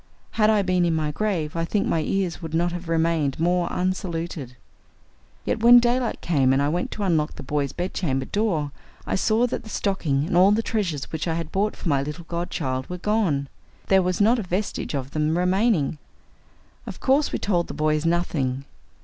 Had I been in my grave I think my ears would not have remained more unsaluted. Yet when daylight came and I went to unlock the boys' bedchamber door, I saw that the stocking and all the treasures which I had bought for my little godchild were gone. There was not a vestige of them remaining! Of course we told the boys nothing.